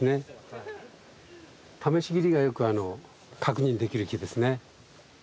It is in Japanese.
試し切りがよく確認できる木ですね。